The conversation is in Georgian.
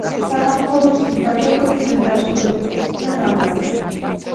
საქაეთველოში იბადებოდნენ და შემდეგ წუხდნენ ამაზე